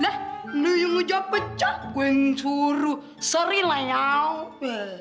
lah lo yang ngejap pecah gue yang suruh sorry lah nyampe